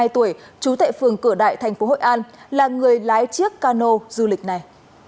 năm mươi hai tuổi chú thệ phường cửa đại thành phố hội an là người lái chiếc cano du lịch này